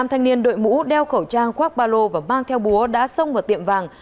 năm thanh niên đội mũ đeo khẩu trang khoác ba lô và mang theo búa đã xông vào tiệm vàng